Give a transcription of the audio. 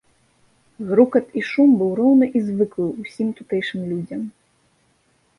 Грукат і шум быў роўны і звыклы ўсім тутэйшым людзям.